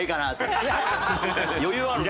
余裕あるね。